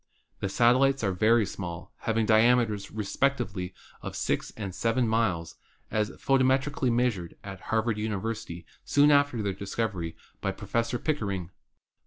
The satellites are very small, having diame ters respectively of six and seven miles, as photometrically measured at Harvard University soon after their discovery by Professor Pickering.